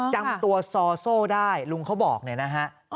จำตัวซอโซ่ได้ลุงเขาบอกเนี่ยนะฮะ